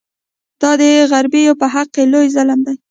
دا د غریبو په حق کې لوی ظلم دی.